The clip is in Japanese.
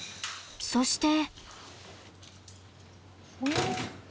そして。